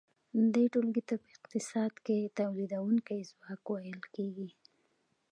دې ټولګې ته په اقتصاد کې تولیدونکی ځواک ویل کیږي.